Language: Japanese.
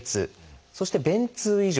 そして「便通異常」。